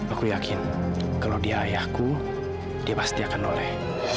aku yakin kalau dia ayahku dia pasti akan noleh